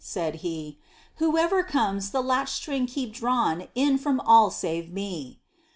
said he; "Whoever comes, the latch string keep drawn in from all save me!"